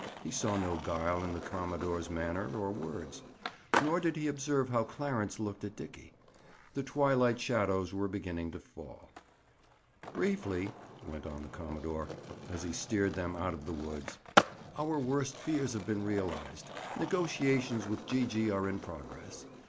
He saw no guile in the commodore's manner or words. Nor did he observe how Clarence looked at Dickie. The twilight shadows were beginning to fall. "Briefly," went on the commodore, as he steered them out of the woods, "our worst fears have been realized. Negotiations with Gee gee are in progress.